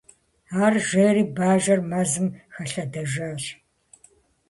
- Ар жери, бажэр мэзым хэлъэдэжащ.